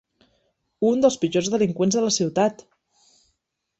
Un dels pitjors delinqüents de la ciutat!